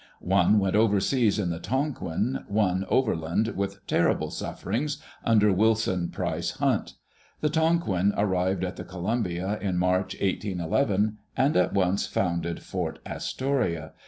One went overseas in the Tonquin, one overland, with terrible sufferings, under Wilson Price Hunt. The Tonquin arrived at the Columbia in March, 181 1, and at once founded Fort Astoria.